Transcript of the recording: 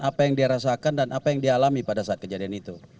apa yang dia rasakan dan apa yang dia alami pada saat kejadian itu